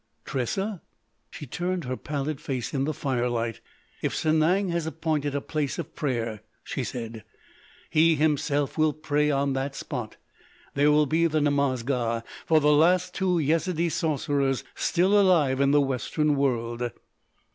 "Tressa?" She turned her pallid face in the firelight: "If Sanang has appointed a Place of Prayer," she said, "he himself will pray on that spot. That will be the Namaz Ga for the last two Yezidee Sorcerers still alive in the Western World."